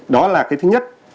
đó là thứ nhất